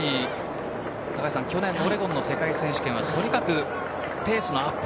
去年のオレゴンの世界選手権はペースのアップ